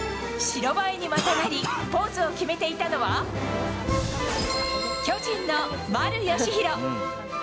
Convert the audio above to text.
白バイにまたがり、ポーズを決めていたのは、巨人の丸佳浩。